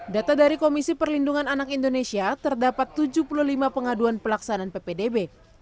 data dari komisi perlindungan anak indonesia terdapat tujuh puluh lima pengaduan pelaksanaan ppdb